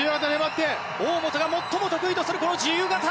大本が最も得意とする自由形。